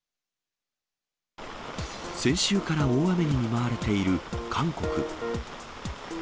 先週から大雨に見舞われている韓国。